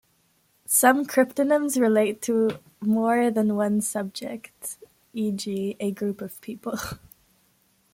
Some cryptonyms relate to more than one subject, e.g., a group of people.